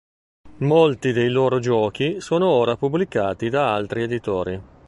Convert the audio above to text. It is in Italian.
Molti dei loro giochi sono ora pubblicati da altri editori.